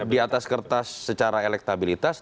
diatas kertas secara elektabilitas